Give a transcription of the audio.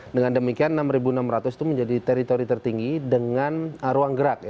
dengan demikian enam enam ratus itu menjadi teritori tertinggi dengan ruang gerak